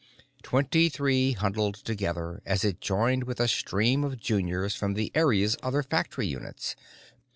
Twenty Three huddled together as it joined with a stream of juniors from the area's other factory units.